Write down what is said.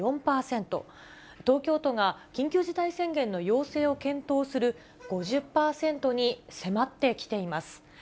東京都が緊急事態宣言の要請を検討する５０％に迫ってきています。